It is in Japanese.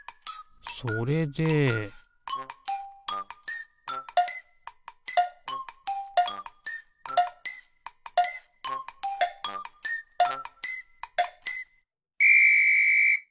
それでピッ！